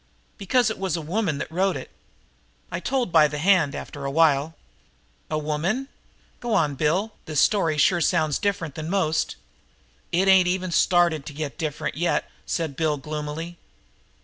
"Because it was a woman that wrote it. I told by the hand, after a while!" "A woman? Go on, Bill. This story sure sounds different from most." "It ain't even started to get different yet," said Bill gloomily.